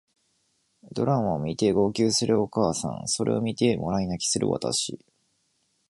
ドラマを見て号泣するお母さんそれを見てもらい泣きする私